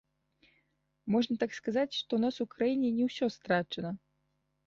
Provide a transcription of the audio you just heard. Можна так сказаць, што ў нас у краіне не ўсё страчана.